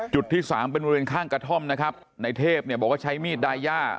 ที่สามเป็นบริเวณข้างกระท่อมนะครับในเทพเนี่ยบอกว่าใช้มีดดาย่า